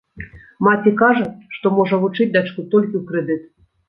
Маці кажа, што можа вучыць дачку толькі ў крэдыт.